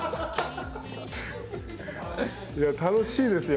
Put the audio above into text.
いや楽しいですよ。